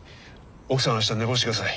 奥さんは明日寝坊してください。